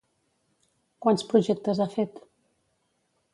Quants projectes ha fet?